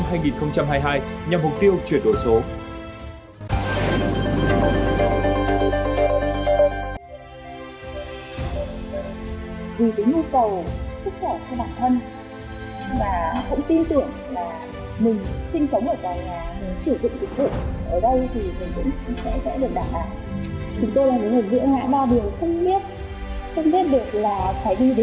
nay trăm hai hai nhằm mục tiêu chuyển đổi số à đ một trăm ba mươi